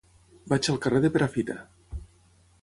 Vaig al carrer de Perafita.